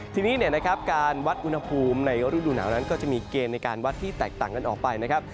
ทีนี้การวัดอุณหภูมิในฤดูหนาวนั้นก็จะมีเกณฑ์ในการวัดที่แตกต่างกันออกไปนะครับ